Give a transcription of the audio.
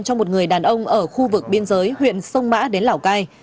cho một người đàn ông ở khu vực biên giới huyện sông mã đến lào cai